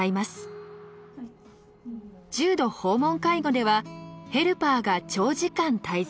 重度訪問介護ではヘルパーが長時間滞在。